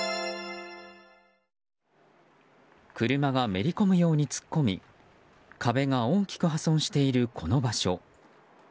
車がめり込むように突っ込み壁が大きく破損しているこの場所。